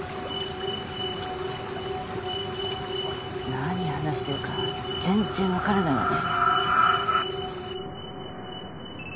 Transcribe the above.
何話してるか全然わからないわね。